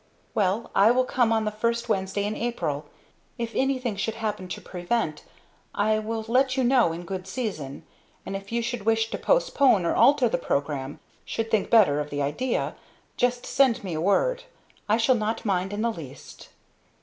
"Well I will come on the first Wednesday in April. If anything should happen to prevent I will let you know in good season, and if you should wish to postpone or alter the program should think better of the idea just send me word. I shall not mind in the least."